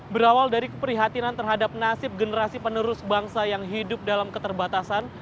berawal dari keprihatinan terhadap nasib generasi penerus bangsa yang hidup dalam keterbatasan